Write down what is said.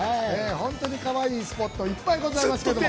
本当にかわいいスポット、いっぱいございますけども。